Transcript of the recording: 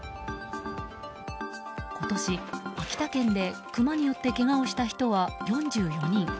今年、秋田県でクマによってけがをした人は４４人。